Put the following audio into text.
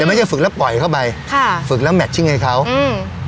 แต่ไม่ใช่ฝึกแล้วปล่อยเข้าไปค่ะฝึกแล้วแมทชิ่งให้เขาอืม